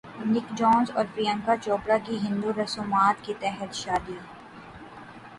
نک جونس اور پریانکا چوپڑا کی ہندو رسومات کے تحت شادی